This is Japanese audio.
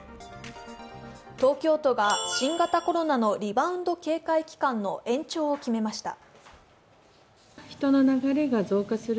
東京都が新型コロナのリバウンド警戒期間の延長を決めました。